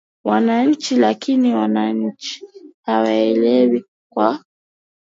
wananchi lakini wananchi hawaelewi kwa